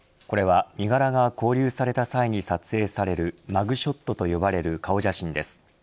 これは、身柄が勾留された際に撮影されるマグショットと呼ばれる顔写真です。